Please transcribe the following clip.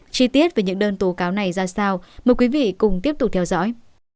chi tiết về những đơn tố cáo này ra sao mời quý vị cùng tiếp tục theo dõi